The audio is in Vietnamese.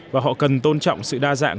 và họ cần tôn trọng sự đa dạng